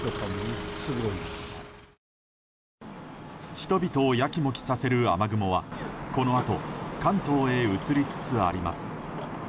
人々をやきもきさせる雨雲はこのあと関東へ移りつつあります。